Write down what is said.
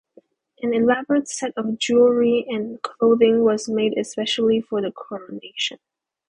An elaborate set of jewellery and clothing was made especially for the coronation.